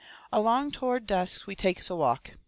Along toward dusk we takes a walk.